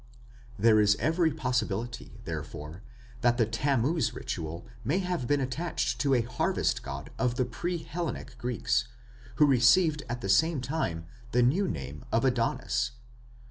There is every possibility, therefore, that the Tammuz ritual may have been attached to a harvest god of the pre Hellenic Greeks, who received at the same time the new name of Adonis.